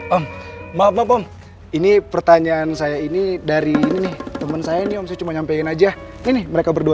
om maaf om ini pertanyaan saya ini dari temen saya ini om cuma nyampein aja ini mereka berdua